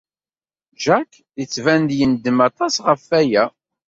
Jack yettban-d yendem aṭas ɣef waya.